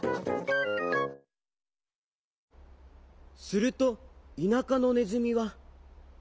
すると田舎のねずみは。